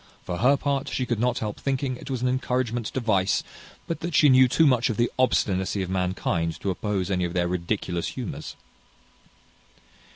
For her part, she could not help thinking it was an encouragement to vice; but that she knew too much of the obstinacy of mankind to oppose any of their ridiculous humours."